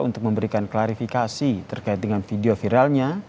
untuk memberikan klarifikasi terkait dengan video viralnya